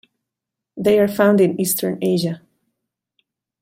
They are found in eastern Asia.